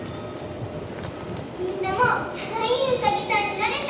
みんなもかわいいうさぎさんになれた？